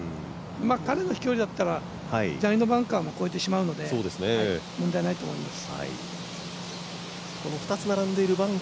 彼の飛距離だったら左のバンカーも越えてしまうので問題ないと思います。